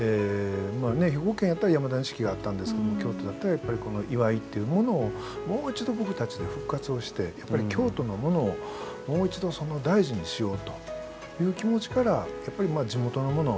兵庫県やったら山田錦があったんですけど京都だったらやっぱり「祝」っていうものをもう一度僕たちで復活をしてやっぱり京都のものをもう一度大事にしようという気持ちからやっぱり地元のもの